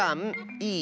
いい？